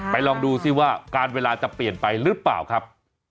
ลองดูซิว่าการเวลาจะเปลี่ยนไปหรือเปล่าครับ